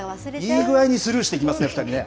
いい具合にスルーしていきますね、２人とも。